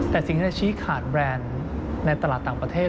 แต่สิ่งที่จะชี้ขาดแบรนด์ในตลาดต่างประเทศ